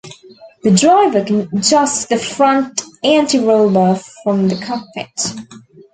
The driver can adjust the front anti-roll bar from the cockpit.